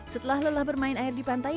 setelah lelah bermain air di pantai